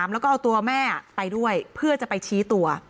แล้วก็เอาตัวแม่ไปด้วยเพื่อจะไปชี้ตัว